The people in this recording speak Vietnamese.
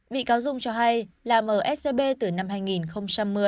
bị cáo dung cho hay làm ở scb từ năm hai nghìn một mươi